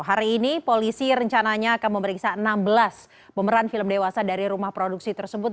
hari ini polisi rencananya akan memeriksa enam belas pemeran film dewasa dari rumah produksi tersebut